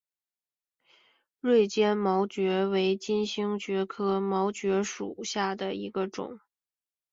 锐尖毛蕨为金星蕨科毛蕨属下的一个种。